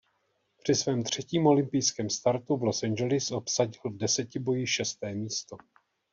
Při svém třetím olympijském startu v Los Angeles obsadil v desetiboji šesté místo.